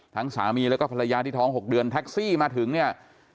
สามีแล้วก็ภรรยาที่ท้อง๖เดือนแท็กซี่มาถึงเนี่ย